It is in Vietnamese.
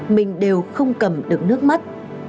mình đều không cầm được nước mắt